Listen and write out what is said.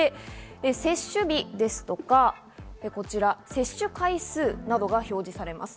接種日ですとか接種回数などが表示されます。